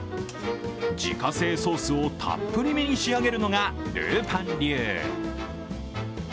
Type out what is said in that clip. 自家製ソースをたっぷりめに仕上げるのが、るーぱん流。